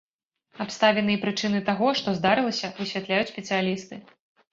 Абставіны і прычыны таго, што здарылася высвятляюць спецыялісты.